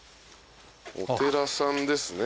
お寺さんですね。